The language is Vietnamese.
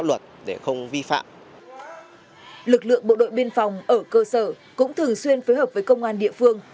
lực lượng bộ đội biên phòng ở cơ sở cũng thường xuyên phối hợp với công an địa phương